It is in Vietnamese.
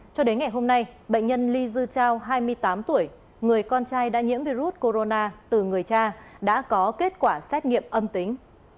cho đến ngày hôm nay bệnh nhân ly dư trao hai mươi tám tuổi người con trai đã nhiễm virus corona từ người cha đã có kết quả xét nghiệm âm tính